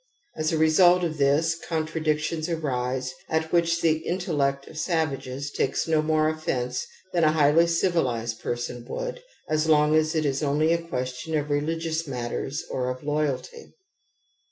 As a result of this, contradictions arise at which the intellect of savages takes no more offence than a highly civilized person would as long as it is only a question of^religious matters or of ' loyalty